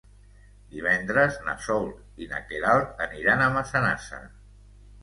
Divendres na Sol i na Queralt aniran a Massanassa.